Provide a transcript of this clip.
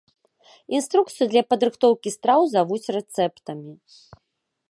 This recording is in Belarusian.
Інструкцыі для падрыхтоўкі страў завуць рэцэптамі.